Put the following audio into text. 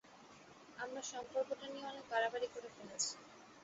আমরা সম্পর্কটা নিয়ে অনেক বাড়াবাড়ি করে ফেলেছি।